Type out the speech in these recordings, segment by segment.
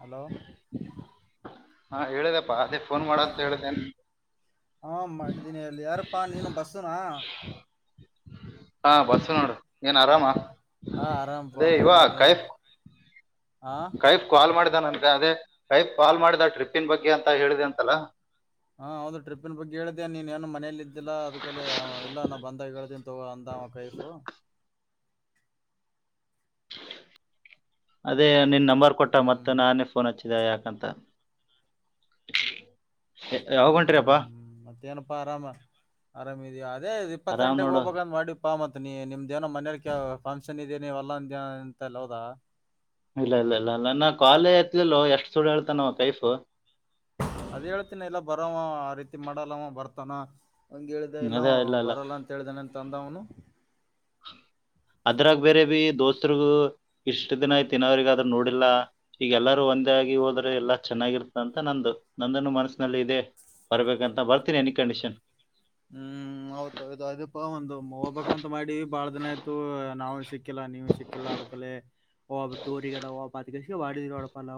hello ಹಾ ಹೇಳದಪ್ಪಾ ಅದೇ ನ್ ಮಾಡಡ ಡ್ತ ಹಾ ಮಾಡಿದ್ದೀನಿ ಅಲ್ಲಿ ಯಾರಪ್ಪಾ ನೀನು ಬಸ್ಸುನಾ ಹಾ ಹಾ ಬಸ್ಸ ನೋಡ್ರ ಏನ್ ಆರಾಮ ಹಾ ಆರಾಮಪ ಅದೇ ಇವ ನ ನೀ ಕೈಫ್ ಹಾ ಕೈಫ್ ಕಾಲ್ ಮಾಡಿದ ನನ್ಗ ಅದೇ ಕೈಫ್ ಕಾಲ್ ಮಾಡಿದ ಟ್ರಿಪ್ಪನ್ ಬಗ್ಗೆ ಅಂತ ಹೇಳಿದೆ ಅಂತಲ್ಲ ಹಾ ಒಂದು ಟ್ರಿಪಿ ಬಗ್ಗೆ ಹೇಳ್ದೇ ನೀನ್ ಏನು ಮನೇಲ್ಲ ಇದಿಲ್ಲ ಅದಕಲ್ಲಿ ಎಲ್ಲ ನಾ ಬಂದಾಗ ಹೇಳೇಳ್ತೀನ್ ತಗೋ ಅಂದ ಕೈಫ ಅದೇ ನಿನ್ ನಂಬರ್ ಕೊಟ್ಟ ಹ್ಮ್ ಮತ್ತ ನಾನೇ ಫೋನ್ ಹಚ್ಚಿದ ಯಾಕಂತ ಹ ಹ್ಮ್ ಹ್ಮ್್ಮ ಮತ್ತೆೇಏನಪ್ಪಾ ಆರಾಮ ಅರಾಮ ಇದಾ ಅದೇ ಇಪ್ಪತ್ತು ಆರಾಮ್ ಗಂಟೆಗೆ ನೋಡು ಹೋಗಬಾಗಂದ್ ಮಾಡ ಪ್ಪಾ ಮತ್ ನೀ ನಿಮ್ದೇನೋ ಮನಲಿಕ ಫಂಕ್ಷನ್ ಇದ ನೀಲ್ಲ ಅಂತ ಹೋದಾ ಇಲ್ಲ ಇಲ್ಲ ಇಲ್ಲ ಇಲ್ಲ ನಾ ಕಾಲೇಜ ಆತ್ಲಿಲ್ಲ ಎಷ್ಟ್ ಸುಳ್ಳ ಹೇಳ್ತಾನವ ಕೈಫ್ ಅದ್ ಹೇಳ್ತಿನ ಎಲ್ಲ ಬರವ ಆ ರೀತಿ ಮಾಡಲ್ಲವ ಬರ್ತಾನ ಹಂಗ ಹೇಳಿದೆ ಹ್ಮ್, ಇಲ್ಲ ಅದೇ ಇಲ್ಲ ಬರಲ್ಲ ಅಂತ ಹೇಳ್ದ ನನ್ ತಂದ ಅವನು ಹ ಅದ್ರಾಗ ಬೇರೆ ಬಿ ದೋಸ್ತ್ರಿಗು ಇಷ್ಟ ದಿನ ಐ್ತಿಿನ ಅವ್ರಗ ಅದ್ರ ನೋಡಿಲ್ಲ ಈಗ ಎಲ್ಲಾರೂ ಒ ಮುಂದೆ ಆಗಿ ಹೋದ್ರೆ ಎಲ್ಲಾ ಚೆನ್ನಾಗಿರ್ತದಂತ ನಂದು ನಂದನ್ನು ಮನಸಿನಲ್ಲಿ ಇದೆ ಬರ್ಬೇಕಂತ ಬರ್ತೀನಿ ಎನಿ ಕಂಡೀಷನ್ ಹ್ಮ್ ಹೌತ್ೌ ಅಪಾ ಒಂದು್ ಹೋಗ್ಬಕ್ಂತ ಮಾಡೀ ಬಾಳ ದಿನ ಆಯ್ತು ನಾವವು ಸಿಕ್ಕಿಲ್ಲ ನೀವು್ ಸಿಕ್ಕಿಲ್ಲ ಅದಕಲ್ಲ ಒಬ್ ಟೂರಿಗಡೆ ಅದ ವಡಿ ರಡಪಾಲ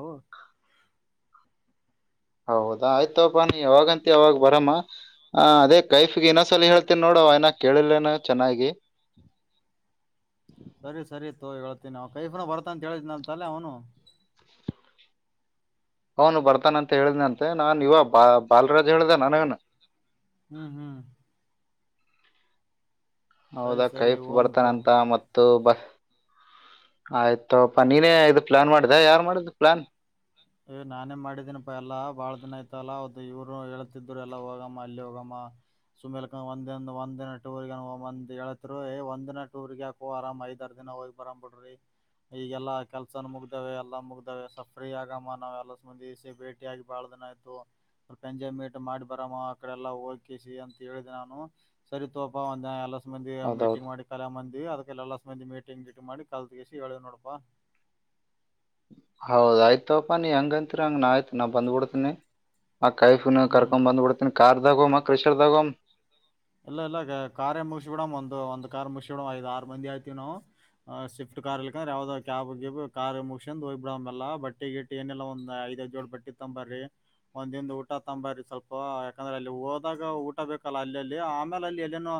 ಹೌದಾ ಆಯ್ತಪ್ಪ ನೀ ಯವಾಗಂತ ಅವಾವಾಗ ಬರಮ್ಮ ಅ ಅದೇ ಕೈಫಗೆ ಇನ್ನೊಸಲ ಹೇಳ್ತೀನ್ಿ ನೋಡ ಏನ ಕೇಳಿಲ್ಲೇನು ಚೆನ್ನಾಗಿ ಸರಿ ಸರಿ ತೋ ಹೇಳ್ತೀನಿ ನ ಕೈಫನ ಬರತ್ತ ಅಂತ ಹೇಳಿದನ ಅಂತಲ್ಲೇ ಅವನು ಅವನು ಬರ್ತಾನ ಅಂತ ಹೇಳಿದ ಅಂತೆ ನಾನನ್ ಇವ ಬಾ ಬಾಲರಾಜ್ ಹೇಳ್ದಾನ ನವನು ಹ್ಮ್ ಹ್ಮ್ ಸರಿ ಹೌದಾ ಸರಿ ಕೈಫ ಓಂ ತೋ ಬರ್ತಾನಂತ ಮತ್ತು ಬ ಆಯ್ತಪಾ ನೀನೇ ಇ ಪ್ಲಾನ್ ಮಾಡ್ದ ಯಾರ್ು ಮಾಡಿದ ಪ್ಲಾನ್ ಯ ನಾನೇ ಮಾಡಿದೀನಪ್ಪಾ ಎಲ್ಲಾ ಬಾಳ ದಿನ ಆಯತಲ್ಲಾ ಅವ ಇವ್ರು ಹೇಳ್ತಿದ್ರು ಎಲ್ಲಾ ಹೋಗಮ್ಮ ಅಲ್ಲಿ ಹೋಗಮ್ಮ ಸುಮ್ಲ್ಕ ಒಂದ ಒಂದ್ಿನ ಟೂರ್ಗಂದ್ ಹೇಳತ್ರು ಒಂದ್ ದಿನ ಟೂರ್ಗ ಯಾಕು ಆರಾಮ್ ಐದ ಆರ್ ದಿನ ಹೋಗಿ ಬರ್ ಬಿಡ್ರಿ ಈಗೆಲ್ಲಾ ಕೆಲ್ಸನ ಮುಗ್ದಾವ ಎಲ್ಲಾ ಮುಗ್ದಾವೆ ಸಫ್ರಿ ಆಗ ನಾವೆಲ್ಲಬಂದಿಸ ಭೇಟಿಿಯಾಗಿಿ ಬಾಳ್ದನ ಆ್ತು ಅವ ಗಂಜೆ ಮೀಟ್ ಮಾಡಿ ಬರಮ್ಮ ಅಕಡೆ ಎಲ್ಲಾ ಹೋಗ್ಿಿಸಿ ಅಂತ ಹೇಳಿದ ನಾನು ಸರಿ ತೋಪ ಒಂದ ಎಲ್ಲ ಮಂದಿ ಹೌದೌದು ಮೀಟಿಂಗ್ ಮಾಡಿ ಕಲೆ ಮಂದಿ ಅದಕ್ಕೆಲ್ಲ ಮಂದಿ ಮೀಟಿಂಗ್ ೀಟಿಂಗ್ ಮಾಡಿ ಕಾಲ್ ತಗಿಸಿಿ ಹೇಳೇವ್ ನೋಡಪಾ ಹೌದಯ್ತಪ್ಪ ನೀ ಹೆಂಗಂತಿರಿ ಹಂಗ ನಾ ಆಯ್ತು ನಾ ಬಂದ್ಬ ಬಿಡ್ತೀನಿ ಮ ಕೈಫನ್ ಹ್ಮ್ ಕರ್ಕೊ್ ಬಂದ್ ಬಿಡ್ತನಿ ಕಾರ್ದಾಗೋ್ ಕ್ರಿಷರ್ದಾಗೋಮ್ ಇಲ್ಲ ಇಲ್ಲ ಕಾರೇ ಮುಗಸಿ ಬಿಡಮ್ ಒಂದು ಒಂದ್ ಕಾರ್ ಮುಗಸಿ ಬಿಡಮ್ ಐದ್ ಆರು ಮಂದಿ ಆಯ್ತಿವಿ ನಾವು ಆ ಶಿಫ್ಟ್ ಕಾರ್ ಇಲಿಕಂದ್ರೆ ಯಾವ್ದ ಕ್ಯಾಬ್ ಗಿಬ್ ಕಾರ್ ಮುಗಸ್ ಹೋಗ್ ಬಿಡಲ್ಲ ಬಟ್ಟಿ ಗಿಟ್ ಏನೆಲ್ಲ ಒಂದ ಜೋಳ ರೋಟಿ ತಂಬರ್ರಿ ಒಂದಿಂದ ಊಟ ತಬನ್ರಿ ಸ್ವಲ್ಪ ಯಾಕಂದ್ರೆ ಅಲ್ಲಿ ಹೋದಾಗ ಊಟ ಬೇಕಲ್ಲ ಅಲ್ಲಿ ಅಲ್ಲಿ ಆಮೇಲೆ ಅಲ್ಲಿ ಏನೇನೋ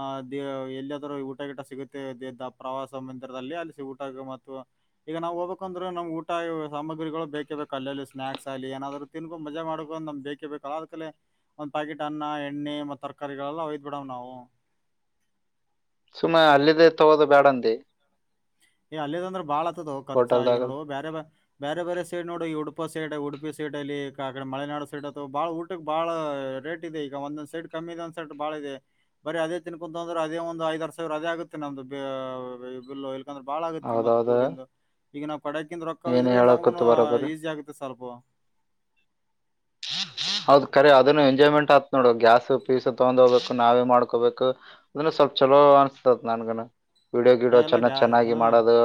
ಅಹ ದ ಎಲ್ಲಿದ್ರೂ ಊಟಗಿಟ ಸಿಗುತ್ತೆ ಪ್ರವಾಸ ಮಂದಿರದಲ್ಲಿ ಅಲ್ಲಿ ಊಟ ಮತ್ತು ಈಗ ನಾವ್ ಹೋಗ್ಬೇಕ ಅಂದ್ರೆ ನಮ್ ಊಟ ಸಾಮಗ್ರಿಗಳು ಬೇಕೇ ಬೇಕು ಅಲ್ಲ ಅಲ್ಲಿ ಸ್ನಾಕ್ಸ್ ಅಲ್ಲಿ ಏನಾದ್ರು ತಿನ್ಕೊಂಡು ಮಜಾ ಮಾಡಕು ನ್ ಬೇಕೇ ಬೇಕ ಅದಕ್ಕೆ ಒಂದು ಪ್ಯಾಕೆಟ್ ಅನ್ನ ಎಣ್ಣೆ ಮತ್ ತರಕರಿ ತರಕಾರಿಗಳು ಎಲ್ಲಾ ಒಯ್ದಿ ಬಿಡಾವು ನಾವು ಸುಮ್ನ ಅಲ್ಲದೆೇ ತಗೋದು ಬ್ಯಾಡ ಅಂದಿ ಅಲ್ಲಿದ ಅಂದ್ರೆ ಬಾಳ ಆತದ ಖರ್ಚ ಆಗ ಹೋಟೆಲ್ದಾಗ ನೋಡುಬೇರೆ ಬೇರೆ ಸೈಡ್ ನೋಡಿ ಈ ಉಡುಪಾ ಸೈಡ್ ಉಡುಪಿ ಪಿ ಸೈಡ್ ಅಲ್ಲಿ ಕಡೆ ಮಲೆನಾಡು ಸೈಡ್ ಅ ಬಹಳ ಊಟ ಬಹಳ ರೇಟ್ ಇದೆ ಈಗ ಒಂದೊಂದ್ ಸೈಡ್ ಕಮ್ಮಿ ಒಂದ ಸೈಡ್ ಬಾಳ ಇದೆ ಬರೀ ಅದೇ ತಿನ್ಕೊಂತ ಅಂದ್ರೆ ಅದೇ ಒಂದು ಐದ ಆರ್ ಸಾವಿರ ಅದೇ ಆಗುತ್ತೆ ನಮ್ದ ಬಿಲ್ ಯಾಕಂದ್ರೆ ಬಾಳ ಆಗುತ್ತೆ ಮತ್ತೆ ಹೌದೌದು ಟೂರಿಂದ ಈಗ ನಾವ್ ಪಡೀಕಿಂದು ರೊಕ್ಕ ನೀನ್ ಇದ್ರೆ ನಮ್ಗು ಹೇಳಕತ್ತು ಬರೋಬರಿ ಈಸಿ ಆಗುತ್ತೆ ಸ್ವಲ್ಪ [inaudible] ಹೌದ್ ಕರಿ ಅದನ್ನು ಎಂಜಾಯ್ಮೆಂಟ್ ಆತ್ ನೋಡು ಗ್ಯಾಸ್ ಪೀಸ್ ತಗೊಂಡ್ ಹೋಗ್ಬೇಕು ನಾವೇ ಮಾಡ್ಕೋಬೇಕು ಅ ಸ್ವಲ್ಪ ಚಲೋ ಅನ್ಸತತ್ ನಾನಗುನು ವಿಡಿಯೋ ಏ, ಗಿಡಿಯೋಸ್ ಎಲ್ಲ ಎಲ್ಲಾ ಗ್ಯಾ ಚೆನ್ನಾಗಿ ಹಾ ಮಾಡೋದು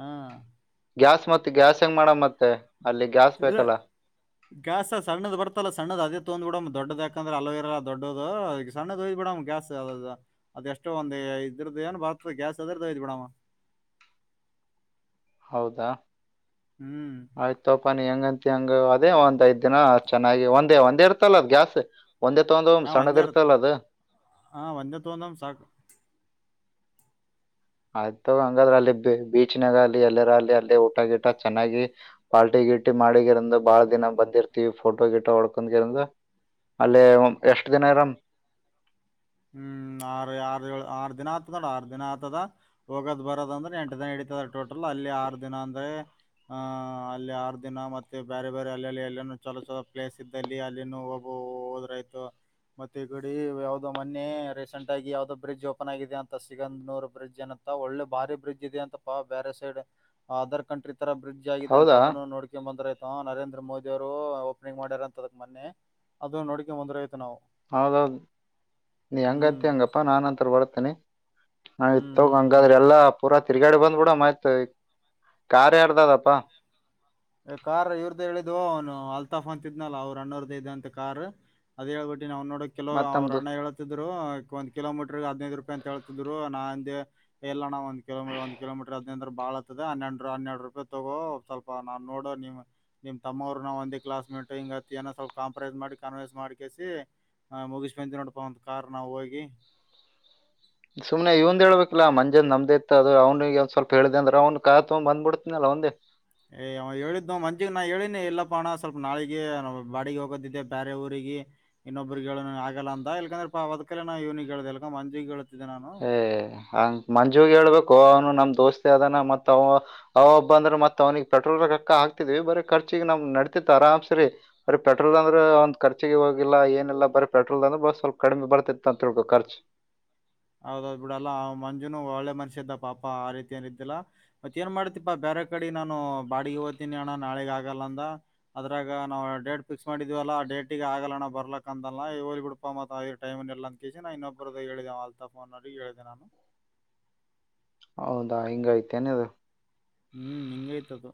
ಹಾ ಗ್ಯಾಸ್ ಮತ್ತೆ ಗ್ಯಾಸ್ ಹೆಂಗ್ ಮಾಡ ಮತ್ತೆ ಅಲ್ಲಿ ಗ್ಯಾಸ್ ಬೇಕಲ್ಲ ಸಣ್ಣದ ಬರ್ತಲ್ಲ ಸಣ್ಣದ ಅದೇ ತೊಂಕೊಂದು ಬಿಡಮ ದೊಡ್ದುದು ಅಲ್ಲೋ ಇರಲ್ಲ ದೊಡ್ಡದು ಸಣ್ಣದೋಯ್ ಬಿಡಮ್ ಗ್ಯಾಸ್ ಅದು ಅದೆ ಎಷ್ಟೋ ಒಂದ್ ಇದ್ರದ್ದ ಏನು ಬರ್ತ ಗ್ಯಾಸ್ ಅದ್ರದ್ದು ಇದ್ ಬಿಡಮ್ಮ ಹೌದಾ ಹ್ಮ್ ಪಾ ನೀನು ಹೆಂಗತಿಯ ಹೆಂಗ ಅದೇ ಒಂದ್ ಐದ ದಿನ ಚೆನ್ನಾಗಿ ಒಂದೇ ಒಂದ್ ಇರ್ತಲ್ಲ ಅದ್ ಗ್ಯಾಸ್ ಒಂದೇ ತಗೊಂಡು ಹಾ ಸಣ್ಣದ್ ಒಂದೇ ಇರುತ್ತೆ ಇರ್ತಲ್ಲ ಅದು ಒಂದೇ ತಕೊಳೋಣ ಸಾಕ್ ಆಯ್ತ ಹಂಗಾದ್ರ ಅಲ್ಲಿ ಬೀಚ್ನಾಗ ಅಲ್ಲಿ ಎಲ್ಲರ ಅಲ್ಲಿ ಅಲ್ಲಿ ಊಟ ಗಿಟ ಚೆನ್ನಾಗಿ ಪಾರ್ಟಿ ಗಿಟ ಮಾಡಿಗಿರಂದ ಬಹಳ ದಿನ ಬಂದಿರ್ತೀವಿ ಫೋಟೋ ಗಿಟ ಹೊಡ್ಕೊಂಡು ಅಲ್ಲೇ ಎಷ್ಟ ದಿನ ಇರಾಮ್ ಹ್ಮ್ ಆರು ಆರ ಏಳು ಆರ್ ದಿನ ಆತದ ನೋಡ್ ಆರ್ ದಿನ ಆತದ ಹೋಗದ್ ಬರದ ಅಂದ್ರೆ ಎಂಟ್ ದಿನ ನೆಡಿತಾಡೇ ಟೋಟಲ್ ಅಲ್ಲಿ ಆರು ದಿನ ಅಂದ್ರೆ ಆಹ ಅಲ್ಲಿ ಆರು ದಿನ ಮತ್ತೆ ಬೇರೆ ಬೇರೆ ಅಲ್ಲಿಲ್ಲಿ ಎಲ್ಲ ಚಲೋ ಚಲೋ ಪ್ಲೇಸ್ ಇದ್ದಲ್ಲಿ ಅಲ್ಲಿನು ಹೋಗಬೇಕು ಹೋದ್ರ ಆಯ್ತು ಮತ್ತೆ ಮೊನ್ನೆ ರೀಸೆಂಟ್ ಆಗ ಯಾವೋದು ಬ್ರಿಡ್ಜ್ ಓಪನ್ ಆಗಿದೆ ಅಂತ ಸಿಗಂದ್ನೂ ಬ್ರಿಡ್ಜ್ ಏನಂತ ಒಳ್ಳೆ ಬಾರಿ ಬ್ರಿಡ್ಜ್ ಇದಿಯಂತೆ ಪ್ಪಾ ಬ್ಯಾರೆ ಸೈಡ್ ಅದರ್ ಕಂಟ್ರಿ ತರ ಬ್ರಿಡ್ಜ್ ಆಗಿದೆ ಅಂತ ಹೌದಾ ಅದನ್ನು ನೋಡ್ಕೊ ಬಂದ್ರ ಆಯ್ತು ನರೇಂದ್ರ ಮೋದಿ ಅವರು ಓಪನಿಂಗ್ ಮಾಡಾರ ಅಂತ ಅದಕ್ ಮನ್ನೆ ಅದು ನೋಡಕ ಒಂದ್ ಆಯತು ನಾವು ಹೌದೌದು್ ನೀ ಹ್ಮ್ ಹೆಂಗತಿ ಹಂಗಪ್ಪಾ ನಾನಂತ ಬರ್ತೇನೆ ಹ ಹ್ಮ್ ಹ್ಮ್ ತಕೊ ಹ್ಮ್ ಹಂಗಾದ್ರೆ ಎಲ್ಲಾ ಪುರಾ ತಿರ್ಗಾಡೆ ಬಂದ್ಬ ಬಿಡಮ್ತ್ ಕಾರ್ ಯಾರದ ಅದಪ್ಪ ಕಾರ್ ಇವ್ರ್ದ ಹೇಳಿದ್ವ ಅವ್ನು ಅಲ್ತಾಫ್ ಅಂತಿದ್ನಲ್ಲ ಅವರು ಅಣ್ಣೋರ್ದೇ ಇದೆಯಂತ ಕಾರ್ ಅದ್ ಹೇಳ್ಬಿಟ್ಟಿ ನಾವ್ ನೋಡ ಕೆಲವು ಮತ್ ಅವ್ರರು ನಮ್ದು ಅಣ್ಣ ಹೇಳತಿದ್ರು ಒಂದ ಕಿಲೋಮೀಟರ್ ಹದೈದು ರೂಪಾಯಿ ಅಂತ ಹೇಳ್ತಿದ್ರು ನಾ ಅಂದೇ ಇಲ್ಲ ಅಣ್ಣ ಒಂದ ಕಿಲೋಮೀರ್ ಒಂದ ಕಿಲೋಮೀಟರ್ ಹದಿನೈದು ಅಂದ್ರೆ ಬಾಳ ಬಾಳ್ ಆಯ್ತಾ ಹನ್ನೆರಡು ಹನ್ನೆರ ರೂಪಾಯಿ ತಗೋ ಸ್ವಲ್ಪ ನಾ ನೋಡ ನಿಮ ನಿಮ್ ತಮ್ಮವ್ರರು ನ ಒಂದ ಕ್ಲಸ್ ಮೇಟ್ ಹಿಂಗ ಅತ್ತ ಏ ಸ್ವಲ್ಪ ಕಂಪ್ರಮೈಸ್ ಮಾಡ ಕನ್ನ್ಸ್ ಮಾಡ ಕಸಿ ಮುಗಿಸ್ ಬಂದ ನೋಡ್ಪಾ ಒಂದ್ ಕಾರ್ ನಾವು ಹೋಗಿ [unintelligible] ಸುಮನೆ ಇವಂದ ಹೇಳ್ಬೇಕಿಲ್ಲ ಮಂಜ್ ನಮ್ದ ಇತ್ ಅ ಅವ್ನಿಗೆ ಒಂದ್ ಸ್ವಲ್ಪ ಹೇಳ್ದ ಅಂದ್ರ ಅವನು ಕಾರ್ ತಕೊಂಡು ಬಂದ್ ಬಿಡ್ತನಾ ಅವಂದೇ ಏಯ್ ಅವ್ ಹೇಳಿದ್ನು ಮಂಜಿಗ್ ನಾ ಹೇಳೇನಿ ಇಲ್ಲಪ್ಪಣ ಸ್ವಲ್ಪ ನಾಳಿಗೆ ಬಾಡಿಗೆ ಹೋಗೋದಿದ್ದೆ ಬೇರೆ ಊರಿಗೆ ಇನ್ನೊಬ್ಬರು ಹೇಳಿ ಆಗಲ್ಲ ಅಂದ ಇಕಂದ್ರಪ್ಪ ಅದಕ ಇವನಿಗೆ ಹೇಳ್ದ ಮಂಜಿಗೇ ಹೇಳಿದೆ ಹ ಹಂಗ ಮಂಜುಗೆ ಹೇಳ್ಬೇಕು ಅವನು ನಮ್ ದೋಸ್ತಿ ಅದನ ಮತ್ ಅವ ಅವ ಒಬ್ಬ ಅಂದ್ರೆ ಮತ್ ಅವನಿಗೆ ಪೆಟ್ರೋಲ್ ಕಕ್ಕ ಹಾಕ್ತಿದ್ವಿ ಬರೀ ಖರ್ಚಿಗೆ ನ ನಡತಿತ್ತು ಆರಾಮ್ ಸರಿ ಬರಿ ಪೆಟ್ರೋಲ್ ಅಂದ್ರೆ ಒಂದು ಖರ್ಚಿಗೆ ಹೋಗಿಲ್ಲ ಏನಿಲ್ಲ ಬರೀ ಪೆಟ್ರೋಲ್ ಅಂದ್ರೆ ಬ ಸ್ವಲ್ ಕಡೆ ಬರ್ತ ತಂತ್ರತ್ರ ಕ ರ್ಚ ಹೌದೌದ್ ಬಿಡಲ್ಲ ಅವ ಮಂಜುನು ಒಳ್ಳೆ ಮನಷ್ಯ ಇದಪ್ಪ ಪಾಪಾ ಆ ರೀತಿ ಏನ ಇದಿದ್ದಿಲ್ಲ ಮತ್ತತ್ ಏನ್ ಮಾಡ್ತಿಪಾ ಬೇರೆ ಕಡೆ ನಾನು ಬಾಡಿಗೆ ಹಓ್ತೀನಿ ಅಣ್ಣ ನಾಳೆಗ ಆಗಲ್ಲ ಅದ್ರಾಗ ನಾವು ಡೇಟ್ ಫಿಕ್ಸ್ ಮಾಡಿದ್ವಲ್ಲ ಆ ೇಟ ಿಗೆ ಆಗಲ್ಲಣ ಬರ್ಲಕ್ಕ ಅಲ್ಲಿ ಬಿಡ್ಪ ಮ ಟೈಮ್ ಎಲ್ಲ ಅಂತ ಕೇಳಸ ನಾ ಇೊಬರದ ಹೇಳಿದೆೇ ಅಲ್ತಾಫೋನ್ ಮಾಡೋಿ ಕ ಹೇಳಿದೆ ನಾನು ಹೌದಾ ಹಿಂಗಐ್ತ ನೆ ಅದ ಹ್ಮ್ ನಿಂಗೈ್ತದ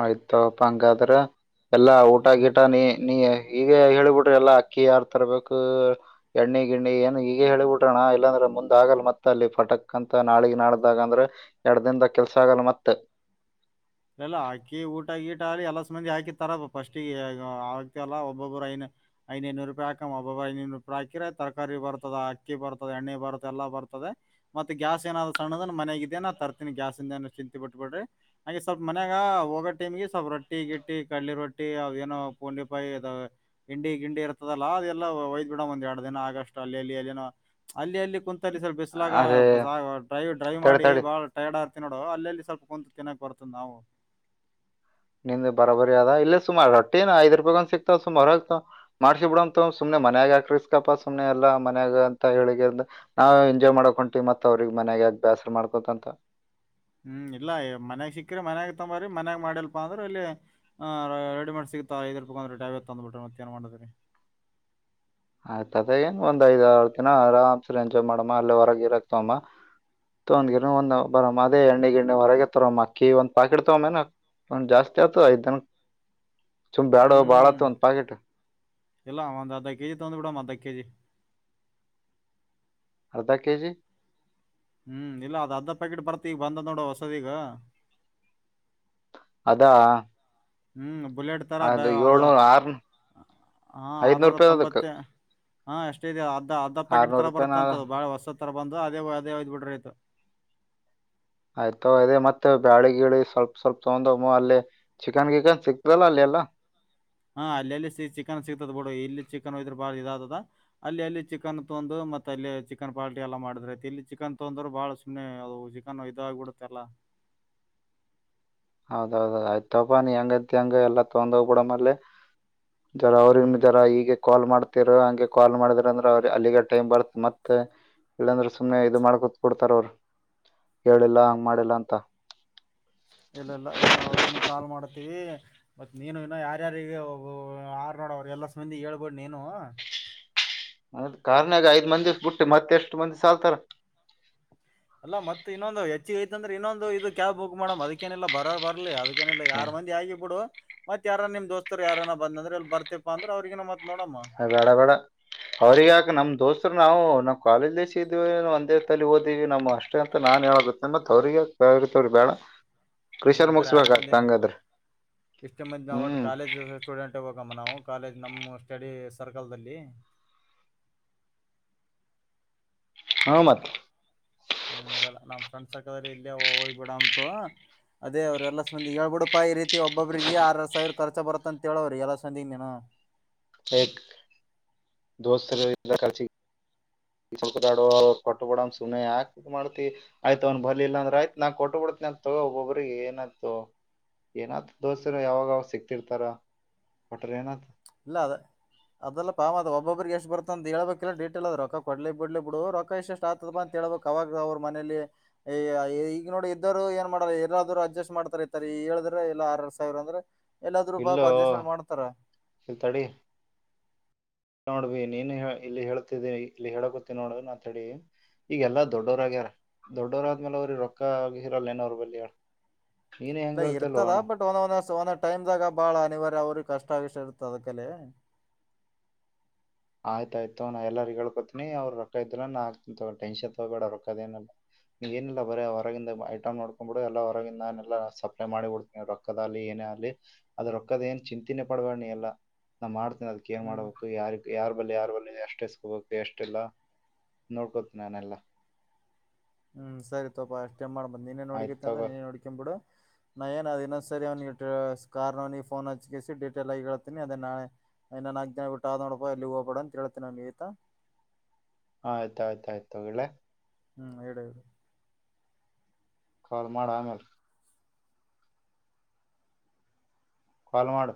ಆಯ್ತಪ್ಪ ಹಂಗಾದ್ರ ಎಲ್ಲಾ ಊಟ ಹ್ಮ್ ಗಿಟ ನೀ ನೀ ಈಗ ಹೇಳಿಬಿಟ್ರಿ ಎಲ್ಲಾ ಅಕ್ಕಿ ಯಾರ್ ತರಬೇಕು ಎಣ್ಣಿ ಗಿಣ್ಣಿ ಏನ್ ಈಗ ಹೇಳಿಬಿಟ್ರಣ್ಣ ಇಲ್ಲಾಂದ್ರ ಮುಂದ್ ಆಗಲ್ ಮತ್ತೆ ಅಲ್ಲಿ ಫಟಕ್ ಅಂತ ನಾಳಿ ನಾಡ್ದಾಗ ಅಂದ್ರ ಎರಡ್ ದಿನದಾಗ ಕೆಲ್ಸ ಆಗಲ್ ಮತ್ತೆ [unintelligible] ಎಲ್ಲಾ ಹಾಕಿ ಊಟಗ ಈಟ ಆಗಿ ಎಲ್ಲ ಸ ಮಂದಿ ಹಾಕಿತಾರ ಫಸ್ಟಿಗೆ ಆಗ್ತತಿಲ್ಲ ಒಬ್ಬೊಬ್ಬರು ಏನ ದ್ೈದುನೂರು ರೂಪಾಯಿಾಕ ಒಬ್ಬ ಐನೂರು ರೂಪಾಯಿ ಅಕಿದ್ರೆರ ತರಾರಿ ಬರ್ತದ ಅಕ್ಕಿ ಬರ್ತದ ಎಣ್ಣೆ ಬರುತ್ತ ಎಲ್ಲ ಬರ್ತದೆ ಮತ್ತೆ ಗ್ಯಾಸ್ ಏನಾದ್ ಸಣ್ಣದ ಮನೆಗ ಇದೇ ನ ತರ್ತೀನಿ ಗ್ಯಾಸ್ ಇಂದ ಏ ಚಿಂತಿ ಬಿಟ್ಬ ಬಿಡ್ರಿ ಹಾಗೆ ಸ್ವಲ್ಪ ಮನ್ಯಾಗ ಹೋಗೋ ಟೀಮ್ಗೆ ಸ್ವಲ್ಪ ರೊಿ ಗಿಟ್ಟಿ ಕಡ್ಲೆ ರೊಟ್ಟಿ ಅ ಏನೋ ಪೂಂಡಿ ಪಾಯಿ ಅದಾವ ಗಿಂಡಿ ಗಿಂಡಿ ಇರ್ತದಲ್ಲ ಅದೆಲ್ಲ ಒಯದ್ ಬಿಡ ಒಂದ್ ಎರಡು ದಿನ ಆಗಸ್ಟ್ ಅಲ್ಲಿಲ್ಲಿ ಅಲ್ಲಿನೋ ಅಲ್ಲಿ ಅಲ್ಲಿ ಕ ಕು ಸ್ಲ್ ಬಿಸ್ಲಾಗ ಅದೇ ಬ ಡ್ರೈ್ ಡ್ರೈ್ ತಡಿ ಮಾಡಿ ತಡಿ ಬಾಳ ಟೈರ್ಡ್ ಆರ್ತತಿ ನೋಡು ಅಲ್ಲಿ ಸ್ವಲ್ಪ ಕುತ್ು ತಿನ್ನಕ್ ಬರ್ತ್ತ ತ್ತ ನವು ನಿಂದ ಬರಾಬರಿ ಅದ ಇಲ್ಲ ಸುಮ್ ರಟ್ಟೆ ಐದ್ ರೂಪಾಯಿ ಒಂದ ಸಿಕ್ತಾವ ಸುಮ ಹೊರ ಆಗ್ತಾವ ಮಾಡ್ಸಿ ಬಿಡ ಅಂತ ಸುಮನೆ ಮನ್ಯಾಗಾ ಕ್ರಿಸ್ಕಪ್ಪಾ ಸುಮನೆ ಎಲ್ಲ ಮನ್ಯಾಗ ಅಂತ ಹೇಳಿ್ರ ನಾವು ಎಂಜಾಯ್ ಮಾಡಕೊಂತೀವಿ ಮತ್ತತ್ ಅವ್ರಿಗೆ ಮನ್ಯಾಗ ಬ್ಯಾಸರ್ ಮಾಡ್ಕೊತಂತ ಹ್ಮ್ ಇಲ್ಲ ಮನ್ಯಾಗ ಸಿಿಕ್ರರಿ ಮನ್ಯಾಗ ತೊಂಬರ ಮನ್ಯಾಗ ಮಾಡಿಲ್ಪ ಅಂದ್ರೆ ಇಲ್ಲಿ ರೆಡಿ ಮಾಡ ಸಿ ಐರ್ು ಅಂದ್ರ ಟೈವ ತಂದ್ ಬಿ್ರೆ ಮತ್ತೇಏನ್ ಮಾಡ್ರರಿ [unintelligible] ಆಯ್ತ ಅದ ಹೆಂಗ್ ಒಂದ್ ಐದ್ ಆರ್ ದಿನ ಆರಾಮ್ಸರ ಎಂಜಾಯ್ ಮಾಡಮ್ಮ ಅಲ್ಲೇ ಹೊರಗೆ ಇರಕ್ತಮ್ಮ ತೊಂದ ಗಿರ ಒಂದ್ ಬರಮ್ಮ ಅದೇ ಎಣ್ಣೆ ಗಿಣ್ಣೆ ಹೊರಗೆ ತರಮ್ಮ ಅಕ್ಕಿ ಒಂದ್ ಪಾಕೆಟ್ ತಗ ಮನ ಒಂದ್ ಜಾಸ್ತಿ ಆತು ಐದ್ ದನ ಸುಂಬ ಬ್ಯಾಡ ಬಾಳ ಆತು ಒಂದ್ ಪಾಕೆಟ್ ಎಲ್ಲ ಆ ಅಂದ ಅರ್ಧ ಕೆಜಿ ತೊಂದು ಬಿಡಾಮ ಅಧ ಕೆಜಿ ಅರ್ಧ ಕೆಜಿ ಹ್ಮ್ ಇಲ್ಲ ಅದ ಅರ್ದಧ ಪ್ಯಾಕೆಟ್ ಬರ್ತಿ ಈಗ ಬಂದ ನೋಡ ಹೊಸದೀಗ ಅದಾ ಹ್ಮ್ ಬುಲೆಟ್ ಥರ ಬ ಅದು ಆರ್ ಹ ಐದ್ನೂರ್ ಆರುನೂರ ರೂಪಾಯಿ ಅದಕ್ ತೊಂಬತ್ತ ಹಾಷ್ಟೇ ಇದೆ ಅದ ಅರ್ಧ ಪಾಕೆಟ್ ಆರ್ನೂರ್ ತರ ರೂಪಾಯಿನ ಬತ್ತ ಅಂತದದು ಬಾಳ ಹೊಸ ತರ ಬಂದು ಅದೇ ಅದೇ ಒಯ್ದ್ ಬಿಟ್ರ ಆಯ್ತ ಆಯ್ತ ಇೇ ಮತ್ತೆ ಬ್ಯಾಳಿ ಗಿಳಿ ಸ್ವಲ್ಪ ಸ್ವಲ್ಪ ತ ಅಲ್ಲಿ ಚಿಕನ್ ಗಿಕನ್ ಸಿಕ್ತಲ್ಲ ಅಲ್ಲಿ ಅಲ್ಲ ಹಾ ಅಲ್ಲೆಲ್ಲಿ ಸಿ ಚಿಕನ್ ಸಿಗ್ತದ ಬಿಡು ಇಲ್ಲಿ ಚಿಕನ್ೋಯದ್ರೆ ಬಾಳ ಇದಾದದ ಅಲ್ಲಿ ಅಲ್ಲಿ ಚಿಕನ್ತ್ ಒಂದು ಮತ್ತತ್ ಅಲ್ಲಿ ಚಿಕನ್ ಪಾರ್ಟಿ ಎಲ್ಲ ಮಾಡಿದ್ರ ಇಲ್ಲಿ ಚಿಕನ್ ತೊಂದ್ರರು ಬಾಳ ಸುಮಮ್ಮನೆ ಅ ಚಿಕನ್ ಇದಾಗಬಿಡುತ್ತೆಲ್ಲಾ [unintelligible] ಹೌದೌದ ಆಯ್ತಪ ನೀ ಹೆಂಗಂತ ಹೆಂಗ ಎಲ್ಲಾ ತೊೊಂಡ ಹೋಗ್ಬ ಬಿಡ ಮೆ ಜರ ಹ್ಮ್ ಅವ್ರರ ಈಗಗೆ ಕಾಲ್ ಮಾಡ್ತ ಹಂಗೆ ಕಾಲ್ ಮಾಡಿದ್ರ ಅಂದ್ರ ಅವ್ರ ಅಲ್ಲಿಗೆ ಟೈಮ್ ಬರ್ತ್ ಮತ್ತತ್ ಇಲ್ಲಾಂದ್ರೆ ಸುಮ್ಮನೆ ಇದು ಮಾಡ ಕುೂತ್ ಕೊಡ್ತಾರ ಅವರು ಹೇಳಿಲ್ಲ ಹಂಗ ಮಾಡಿಲ್ಲ ಅಂತ ಎಲ್ಲೆಲ್ಲ ಎಲ್ಲ ಅವರಿಗೂ ಕಾಲ್ ಮಾಡ್ತೀವಿ ಮತ್ತತ್ ನೀನು ಇನ್ನು ಯಾರ್ಯಾರಬ್ ಆರ್ ನೋಡವ್ರರು ಎಲ್ಲಬಂದಿ ಹೇಳ್ಬೇಡ್ ನೀನು ಅದ ಕಾರಣಾಗ ಐದ್ ಮಂದಿಿವ ಬಿಟ್ಟು ಮತ್ತೆ ಎಷ್ಟು ಮಂದಿ ಸಾಲ್ತಾರ ಅಲ್ಲ ಮತ್ತತ್ ಇನ್ನೊಂದು ಹೆಚ್ಚಿಗೆ ಐತ್ ಅಂದ್ರೆ ಇನ್ನೊಂದು ಇದು ಕ್ಯಾಬ್ ಬುಕ್ ಮಾಡಮ್ ಅದಕ್ಕೇನಿಲ್ಲ ಬರ ಬರ್ಲಿ ಅದ ಏನಿಲ್ಲ ಹಾ, ಯಾರಾರ್ ಮಂದಿ ಆಗಿ ಬಿಡು ಮತ್ ಯಾರ ನಿಮ್ ದೋಸ್ತರು ಯಾರ ಬಂದ್ರ ಎಲ್ಲಿ ಬರ್ತತಿಪ ಅಂದ್ರೆ ಅವ್ರಗನ ಮತ್ತೆ ಬೇಡ ಬೇಡ ಅವ್ರಗಾಕ ನಮ್ ದೋಸ್ತ್ ನಾವು ನಾವವು ಕಾಲೇಜ್ ದಸ ಇದ್ದೀವಿ ಒಂದೇ ತಲಿ ಓದಿವವಿ ನಮ್ ಅಷ್ಟೇ ಅಂತ ನಾನ್ ಹೇಳುತ್ತೆಮ್ಮ ಅವ್ರರಿಗೆ ತ ರಪಳ ಹ್ಮ್ ಬರ ಆರ ಮ ಇಷ್ಟ ಮ ನವು ಹ್ಮ್ ಕಾಲಜ ಸ್ಟೂಡೆಂಟ್ ಹಮ್ಮ ನಾವು ಕಾಲೇಜ್ ನಮ್ಮ ಸ್ಟಡಿ ಸರ್ಕಲ್ಲ್ಲಿ ಹಾ ಮತ್ ಹ್ಮ್ ಇದೆಲ್ಲ ನಾ್ ಕಂಡ್ಸಕ್ರೆ ಇಲ್ಲೇ ಹೋಗ್ಬ ಬಿಡ ಅಂತು ಅದೇ ಅವ್ರ ಎಲ್ಲಾಬಂದಿ ಹೇಳ್ಬಿಡಪಾ ಈ ರೀತಿ ಒಬ್ಬೊಬ್ರಿಗೆ ಸಾವಿರ ರ್ಚ ಬರತ್ತ ಅಂತ ಹೇಳವ್ರಿ ಎಲ್ಲಾ ಸಂದಿ ನೀಿನ ದೋಸ್ತಚ ಡು ಕೊಟ್ಟಬಡ್ ಸುಮ್ಮನೆ ಆಾಕ್ತ ಮಾಡ್ತಿ ಆಯ್ತ ಅವ್ ಬಲಿ ಇ ಅಂದ್ರ ಆಯ್ತ ನಾ ಕೊಟ್ಟಬ ಬಿಡ್ತನಿ ತಗೋ ಒಬ್ಬೊಬ್ರ ಏನಾಯತು ಏನತ ದೋಸ್ತಿರು ಯಾವಾಗಾವ ಸಿಕ್ತಿರ್ತಾರ ುಟ್ಟ ರನಾ ಇಲ್ಲ ಅದ ಅದೆಲ್ಲ ಪಾಾಮ ಅದ ಒಬೊಬಿಗೆ ಎಷ್ಟ ಬರ್ತ ಅಂತ ಹ ಹೇಳಬೇಕಲ್ಲ ಡೀಟಲ್ದ ರೊ ಕೊಡ್ಲಿ ಬಿಡ್ಲಿ ಬಿಡು ರೊಕ್ಕ ಎಷ್ಟ ಆತದ ಅಂತ ಹೇಬೇಕಕ್ ಅವಾಗ ಅವ್ರ ಮನೇಲಿ ಈಗ ನೋಡಿ ಇದ್ದರು ಏನ್ ಮಾಡ ಎಾರಾದ್ರು ಅಡ್ಜಸ್ಟ್ ಮಾಡ್ತಾರೆ ಇತಾರೆ ಈ ಹೇಳಿದ್ರೆ ಎಲ್ಲಾ ಆರ ಸಾವಿರ ಅಂದ್ರೆ ಎಲ್ಲಾದ್ರೂಪಾಯ ಪರ್ಜೆಸ್ೆಟ್ ಮಾಡ್ತಾರ ತಡೆ ನೋಡ್್ವಿ ನೀನ್ ಇಲ್ಲಿ ಹೇಳಳ್ತಿದ್ದಿ ಇಲ್ಲಿ ಹೇಳಕೊತ್ತಿ ನೋಡ ನಾ ತ ಈಗಗೆಲ್ಲಾ ದೊಡ್ಡೋರ ಆಗ್ಯಾರ ದೊಡ್ಡೋರಾದ್ಮೇಲೆ ಅವ್ರ ರೊಕ್ಕ ಆಗಿರಲ್ಲಏನೋರು ಬಲ್ಲಿ ನೀನೇ ಹೆಂಗ್ ಇಲ್ಲ ಹೇಳ್ತಿಲ್ವೋ ಇರ್ತದ ಅಣ್ಣ ಬಟ್ ಒಂದ ಒಂದ ಒಂದ ಟೈಮ್ ದಾಗ ಬಾಳ ಅನಿವಾರ್ಯ ಅವ್ರ ಕಷ್ಟಗಷ್ಟ ಇರುತ ಅದಕ್ಕಲೆ ಆಯ್ತಾಯ್ತು ತಗೊ ನಾ ಎಲ್ಲರಿಗೂ ಹೆಳ್ಕೋತನಿ ಅವರ ರೊಕ್ಕ ಐತಲ್ಲ ನಾ ಹಾಕ್ತೀನಿ ತಗೊ ಟೆನ್ಶನ್ ತಗೋಬೇಡ ರೊಕ್ಕದೇನು ಏನಿಲ್ಲ ಬರ ಹೊರಗಿಂದ ಐಟಮ್ ನೋಕೊಂಡ್ಬಿಡು ಎಲ್ಲ ಹೊರಗಿಂದ ನಾನೆಲ್ಲಾ ಸಪ್ಲೈ ಮಾಡ ಬಿಡ್ತೀನಿ ರೊಕ್ಕದ ಆಗಲಿ ಏನೇ ಅದ್ರ ರೊಕ್ಕದ ಏನ್ ಚಿಂತನೆ ಪಡಬೇಡ ನೀ ಎಲ್ಲ ನಾ ಮಾಡ್ತೇನಿ ಅದಕ ಏನ್ ಹ್ಮ್ ಮಾಡಬೇಕು ಯಾರಿ ಯಾರ್ ಬಳಿ ಯಾರ್ ಬಳಿ ಎಷ್ಟ ಇಸ್ಕೋಬೇಕು ಎಷ್ಟ ಇಲ್ಲ ನೋಡ್ಕೋತನಿ ನಾನ ಎಲ್ಲ ಹ್ಮ್ ಸರಿ ತೋಪಾ ಅಷ್ಟೇ ಮಾಡ್ ಬಂದ್ ನೀನ್ನೇ ಆಯ್ತು ನೋಡಿಕೇತೆ ಅಂದ್ರೆ ತಗೋ ನೀನೇ ನೋಡ್ಕೊಂಡ್ಬಿಡು ನಾ ಏನ ನದ ಇನ್ನೊಂದ್ ಸರಿ ಒಂದ್ ಇಟು ಕಾರ್ ನವ ನೀಗೆ ಫೋನ್ ಹಚ್ಚಿ ಡೀಟೇಲ್ ಆಗಿ ಹೇಳ್ತಿನಿ ಅದೇ ನಾಳೆ ಇನ್ನು ನಾಲ್ಕ ದಿನ ಬಿಟ್ಟು ಅವನ ನೋಡ್ಕೋ ಎಲ್ಲಿಗೂ ಹೋಗಬೇಡ ಅಂತ ಹೇಳ್ತೀನಿ ಅವನಿಗೆ [unintelligible] ಆಯ್ತ ಆಯ್ತು ಆಯ್ತು ತಗೊ ಇಡ್ಲ ಹ್ಮ್ ಇಡ ಇಡ ಕಾಲ್ ಮಾಡ ಆಮೇಲ್ ಕಾಲ್ ಮಾಡ್